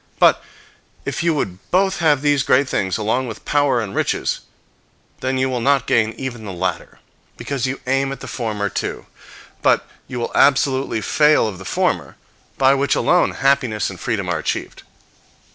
But if you would both have these great things, along with power and riches, then you will not gain even the latter, because you aim at the former too: but you will absolutely fail of the former, by which alone happiness and freedom are achieved.